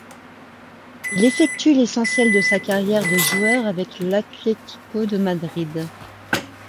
Il effectue l'essentiel de sa carrière de joueur avec l'Atlético de Madrid.